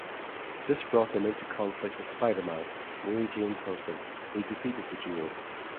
This brought them into conflict with Spider-Man, Mary Jane's husband, who defeated the duo.